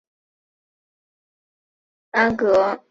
索隆多曾在安戈洛坠姆筑巢。